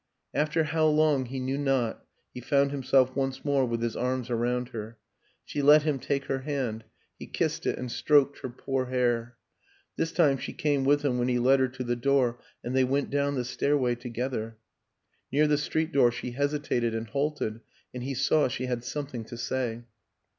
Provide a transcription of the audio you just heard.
After how long he knew not he found himself once more with his arms around her; she let him take her hand, he kissed it and stroked her poor hair. This time she came with him when he led her to the door, and they went down the stairway together. Near the street door she hesitated and halted, and he saw she had something to say.